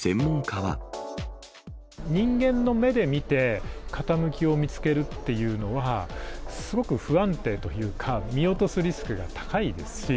人間の目で見て、傾きを見つけるっていうのは、すごく不安定というか、見落とすリスクが高いですし。